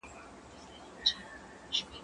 ايا ته موبایل کاروې!.